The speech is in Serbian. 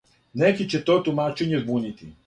Неке ће то тумачење збунити.